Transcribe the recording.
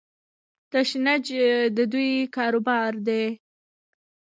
تشنج د دوی کاروبار دی.